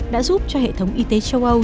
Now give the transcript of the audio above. đã giúp cho hệ thống y tế châu âu